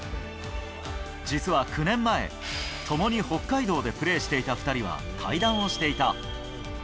実は９年前、ともに北海道でプレーしていた２人は対談をしていた。